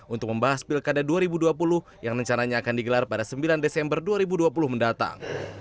untuk membahas pilkada dua ribu dua puluh yang rencananya akan digelar pada sembilan desember dua ribu dua puluh mendatang